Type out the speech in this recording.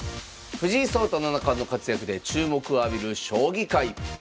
藤井聡太七冠の活躍で注目を浴びる将棋界。